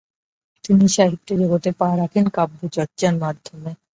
তিনি সাহিত্যজগতে পা রাখেন কাব্যচর্চার মাধ্যমে।